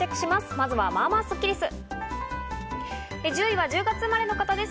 まずは、まあまあスッキりす。